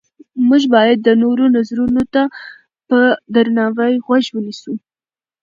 موږ باید د نورو نظرونو ته په درناوي غوږ ونیسو